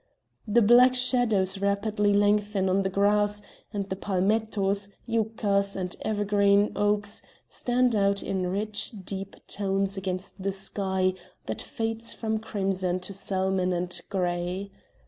The black shadows rapidly lengthen on the grass, and the palmettos, yuccas, and evergreen oaks stand out in rich, deep tones against the sky that fades from crimson to salmon and grey.